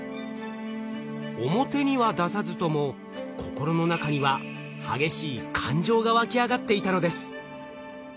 表には出さずとも心の中には激しい感情がわき上がっていたのです。